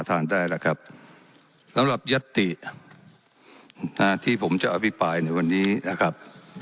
ท่านได้แล้วครับสำหรับยัตตินะที่ผมจะอภิปรายในวันนี้นะครับ